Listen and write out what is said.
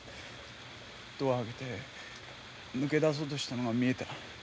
ドア開けて抜け出そうとしたのが見えた。